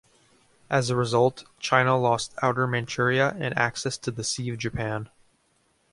As a result, China lost Outer Manchuria and access to the Sea of Japan.